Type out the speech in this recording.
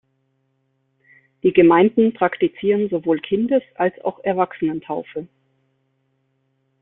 Die Gemeinden praktizieren sowohl Kindes- als auch Erwachsenentaufe.